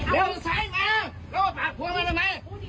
แล้วโอเคไหมล่ะ